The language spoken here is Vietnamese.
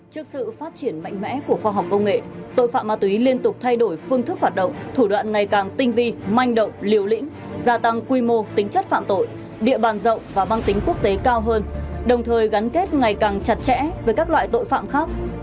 trước sự phát triển mạnh mẽ của khoa học công nghệ tội phạm ma túy liên tục thay đổi phương thức hoạt động thủ đoạn ngày càng tinh vi manh động liều lĩnh gia tăng quy mô tính chất phạm tội địa bàn rộng và mang tính quốc tế cao hơn đồng thời gắn kết ngày càng chặt chẽ với các loại tội phạm khác